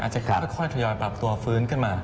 จะค่อยทยอยปรับตัวฟื้นขึ้นมา